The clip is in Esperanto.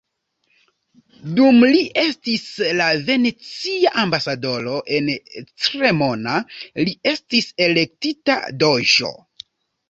Dum li estis la venecia ambasadoro en Cremona, li estis elektita "doĝo".